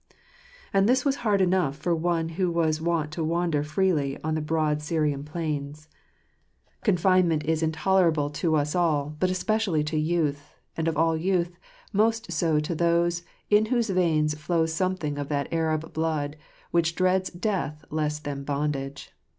And this was hard enough for one who was wont to wander freely on the broad Syrian plains. Confinement * 'Ite Bor. ymitom iz Jfokekaa. 5T is intolerable to us all, but especially to youth, and of all youth most so to those in whose veins flows something of that Arab blood which dreads death less than bondage.